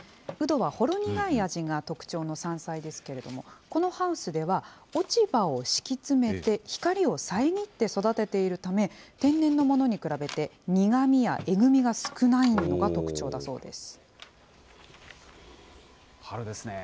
うどはほろ苦い味が特徴の山菜ですけれども、このハウスでは、落ち葉を敷き詰めて光を遮って育てているため、天然のものに比べて、苦みやえぐみが少ないのが特徴だそうです。